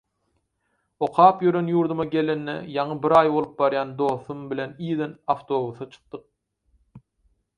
Okap ýören ýurduma gelenine ýaňy bir aý bolup barýan dostum bilen irden awtobusa çykdyk.